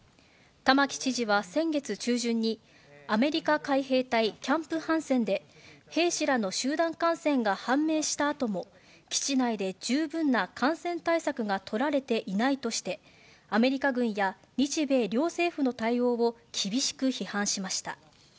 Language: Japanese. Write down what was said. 玉城知事は先月中旬に、アメリカ海兵隊キャンプ・ハンセンで、兵士らの集団感染が判明したあとも、基地内で十分な感染対策が取られていないとして、アメリカ軍や日米両政府の対応を厳しく批判しました。